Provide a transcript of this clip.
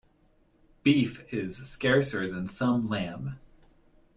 Beef is scarcer than some lamb.